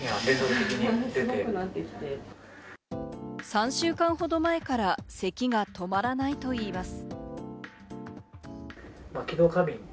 ３週間ほど前から咳が止まらないといいます。